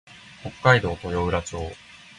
北海道豊浦町